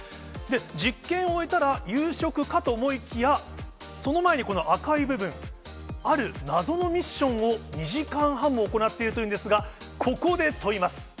実験を終えたら夕食かと思いきや、その前にこの赤い部分、ある謎のミッションを、２時間半も行っているというんですが、ここで問イマス。